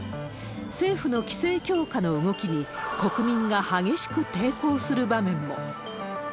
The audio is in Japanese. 政府の規制強化の動きに、国民が激しく抵抗する場面も。